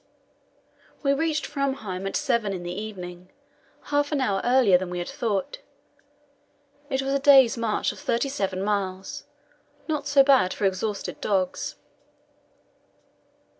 We reached Framheim at seven in the evening, half an hour earlier than we had thought. It was a day's march of thirty seven miles not so bad for exhausted dogs.